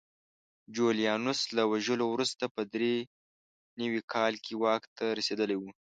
جولیانوس له وژلو وروسته په درې نوي کال کې واک ته رسېدلی و